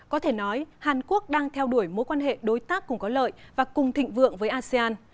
có thể nói hàn quốc đang theo đuổi mối quan hệ đối tác cùng có lợi và cùng thịnh vượng với asean